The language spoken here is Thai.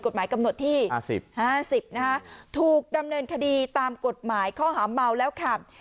กฎหมายกำหนดที่๕๐ถูกดำเนินคดีตามกฎหมายข้อหาเมาแล้วขับ